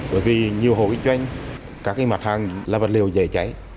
bởi vì nhiều hồ kinh doanh các mặt hàng là vật liều dễ cháy